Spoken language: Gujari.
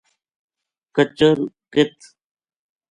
کچر ک